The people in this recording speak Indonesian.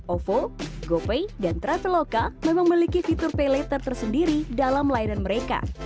ovo gopay dan traveloka memang memiliki fitur pay later tersendiri dalam layanan mereka